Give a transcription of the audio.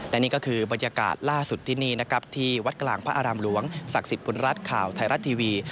และนี่ก็คือบรรยากาศล่าสุดที่นี่นะครับที่วัดกลางพระอารามหลวงศักดิ์สิทธิ์บุญรัฐข่าวไทยรัฐทีวี